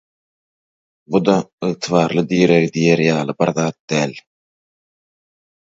Bu-da ygtybarly, direg diýer ýaly bir zat däl.